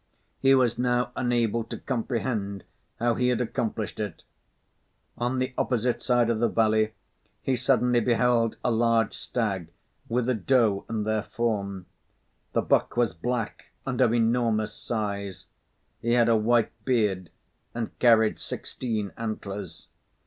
He was now unable to comprehend how he had accomplished it. On the opposite side of the valley, he suddenly beheld a large stag, with a doe and their fawn. The buck was black and of enormous size; he had a white beard and carried sixteen antlers.